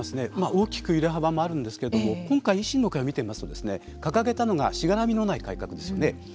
大きく揺れ幅もあるんですけれども今回、維新の会を見てみますと掲げたのがしがらみのない改革ですよね。